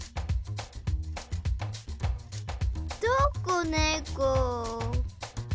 どこねこ？